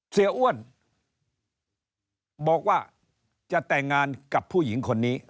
เสียอ้วนบอกว่าจะแต่งงานกับผู้หญิงคนนี้